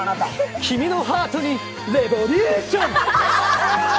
君のハートにレボリューション！